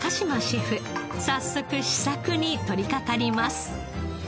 早速試作に取りかかります。